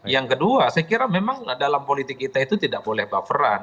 yang kedua saya kira memang dalam politik kita itu tidak boleh bufferan